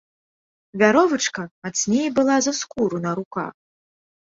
Вяровачка мацней была за скуру на руках.